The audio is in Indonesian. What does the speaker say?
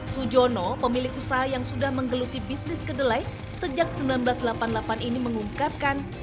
sujono pemilik usaha yang sudah menggeluti bisnis kedelai sejak seribu sembilan ratus delapan puluh delapan ini mengungkapkan